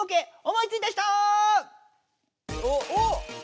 おっ！